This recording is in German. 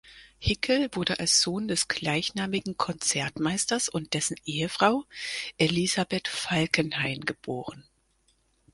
Hickel wurde als Sohn des gleichnamigen Konzertmeisters und dessen Ehefrau Elisabeth Falkenhain geboren.